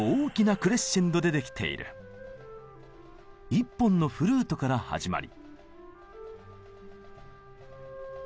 １本のフルートから始まり。